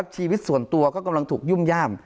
ชีวิตส่วนตัวก็กำลังถูกยุ่มย่าม